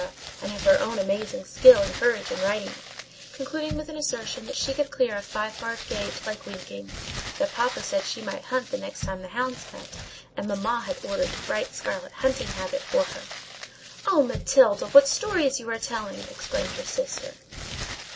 and of her own amazing skill and courage in riding it; concluding with an assertion that she could clear a five barred gate "like winking," that papa said she might hunt the next time the hounds met, and mamma had ordered a bright scarlet hunting habit for her. "Oh, Matilda! what stories you are telling!" exclaimed her sister.